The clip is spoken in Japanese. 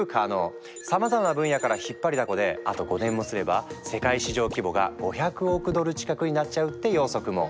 さまざまな分野から引っ張りだこであと５年もすれば世界市場規模が５００億ドル近くになっちゃうって予測も！